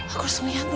aku harus melihatnya